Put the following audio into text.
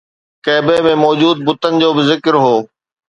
ڪعبي ۾ موجود بتن جو به ذڪر هو